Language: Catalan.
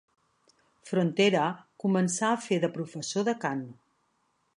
Frontera començà a fer de professor de cant.